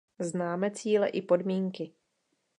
Známe cíle i podmínky.